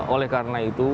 oleh karena itu